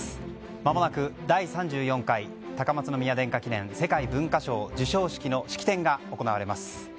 まもなく第３４回高松宮殿下記念世界文化賞授賞式の式典が行われます。